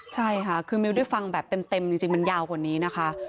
ใช่ค่ะคือมิวได้ฟังแบบเต็มจริงมันยาวกว่านี้นะคะ